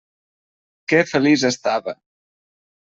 Que feliç estava!